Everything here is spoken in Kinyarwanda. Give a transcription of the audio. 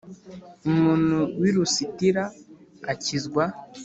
Umuntu w i Lusitira akizwa